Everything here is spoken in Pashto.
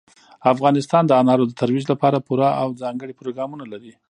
افغانستان د انارو د ترویج لپاره پوره او ځانګړي پروګرامونه لري.